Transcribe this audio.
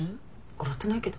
笑ってないけど。